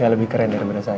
ya lebih keren daripada saya